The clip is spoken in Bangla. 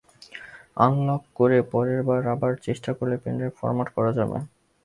আনলক করে পরের বার আবার চেষ্টা করলে পেনড্রাইভ ফরম্যাট করা যাবে।